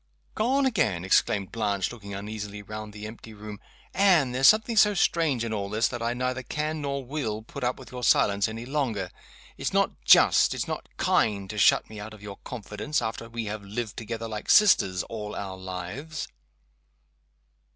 "Gone again!" exclaimed Blanche, looking uneasily round the empty room. "Anne! there's something so strange in all this, that I neither can, nor will, put up with your silence any longer. It's not just, it's not kind, to shut me out of your confidence, after we have lived together like sisters all our lives!"